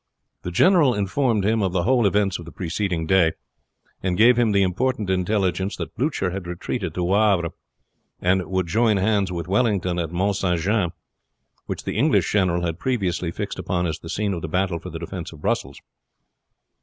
The general informed him of the whole events of the preceding day, and gave him the important intelligence that Blucher had retreated to Wavre, and would join hands with Wellington at Mount St. Jean, which the English general had previously fixed upon as the scene of the battle for the defense of Brussels.